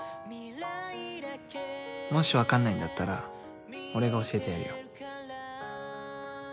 もし分かんないんだったら俺が教えてやるよ。